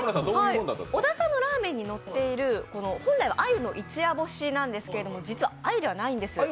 小田さんのラーメンにのっている、本来は鮎なんですが実は鮎ではないんです。